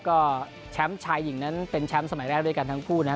ก็แชมป์ชายหญิงนั้นเป็นแชมป์สมัยแรกด้วยกันทั้งคู่นะครับ